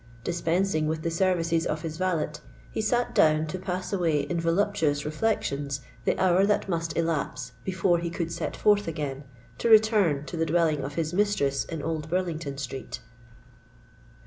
Dispensing with the services of his valet, he sate down to pass away in voluptuous reflections the hour that must elapse before he could set forth again, to return to the dwelling of his mistress in Old Burlington Street.